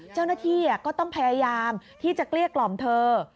เจ้าหน้าที่ก็ต้องพยายามที่จะเกลี้ยกล่อมเธอ